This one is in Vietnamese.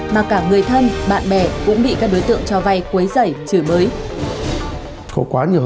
mà cả người thân bạn bè cũng bị các đối tượng cho vay quấy rảy chửi bới